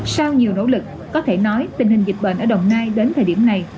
sau nhiều nỗ lực có thể nói tình hình dịch bệnh ở đồng nai đến thời điểm này